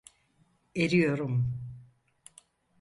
Eriyorum!